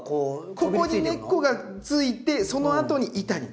ここに根っこがついてそのあとに板につくような。